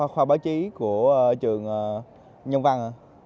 khoa báo chí của trường nhân văn